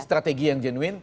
strategi yang genuin